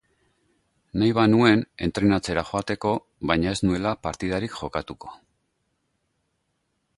Nahi banuen, entrenatzera joateko, baina ez nuela partidarik jokatuko.